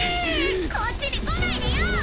こっちに来ないでよ！